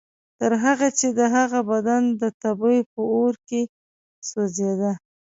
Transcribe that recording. تر هغې چې د هغه بدن د تبې په اور کې سوځېده.